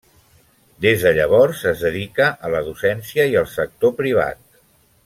Des de llavors es dedica a la docència i al sector privat.